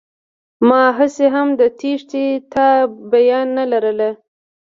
ما هسې هم د تېښتې تابيا نه لرله.